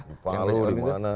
di bali di mana